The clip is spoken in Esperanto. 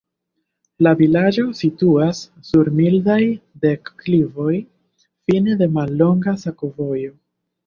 La vilaĝo situas sur mildaj deklivoj, fine de mallonga sakovojo.